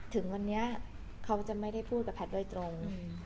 ถึงวันนี้เขาไม่ได้พูดกับพัดด้วยตรง